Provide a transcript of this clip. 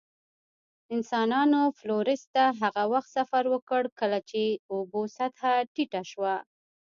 انسانانو فلورس ته هغه وخت سفر وکړ، کله چې د اوبو سطحه ټیټه شوه.